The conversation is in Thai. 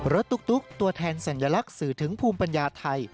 ตุ๊กตัวแทนสัญลักษณ์สื่อถึงภูมิปัญญาไทย